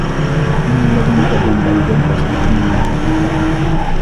إلا الذين تابوا من بعد ذلك وأصلحوا فإن الله غفور رحيم